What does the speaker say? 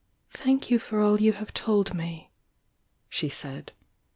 "Thank you for all you have told me," she said.